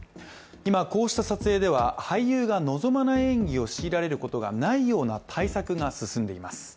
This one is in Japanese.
今、こうした撮影では俳優が望まない演技を強いられることがないような対策が進んでいます。